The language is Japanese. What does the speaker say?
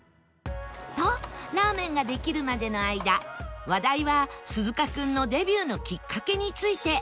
とラーメンができるまでの間話題は鈴鹿君のデビューのきっかけについて